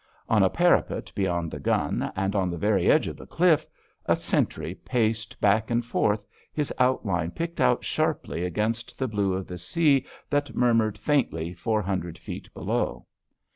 On a parapet beyond the gun, and on the very edge of the cliff, a sentry paced back and forth, his outline picked out sharply against the blue of the sea that murmured faintly four hundred feet below.